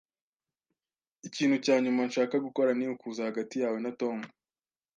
Ikintu cya nyuma nshaka gukora ni ukuza hagati yawe na Tom.